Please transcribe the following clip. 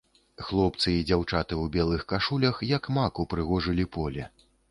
Хлопцы і дзяўчаты ў белых кашулях, як мак, упрыгожылі поле.